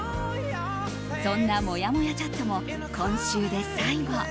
そんなもやもやチャットも今週で最後。